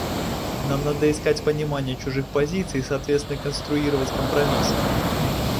Нам надо искать понимания чужих позиций и соответственно конструировать компромисс.